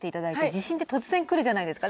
地震って突然来るじゃないですか。